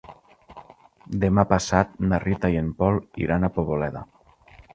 Demà passat na Rita i en Pol iran a Poboleda.